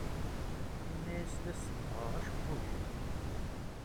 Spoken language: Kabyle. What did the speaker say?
Ini-as la sebbɣeɣ acebbub-inu.